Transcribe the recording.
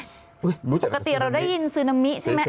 ปกติเราได้ยินซึนามิใช่ไหม